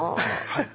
はい。